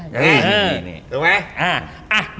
ถูกไหม